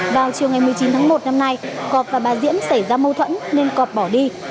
vào chiều ngày một mươi chín tháng một năm nay cọp và bà diễm xảy ra mâu thuẫn nên cọp bỏ đi